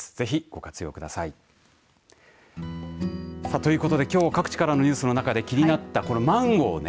ということで、きょう各地からのニュースの中で気になったこのマンゴーね。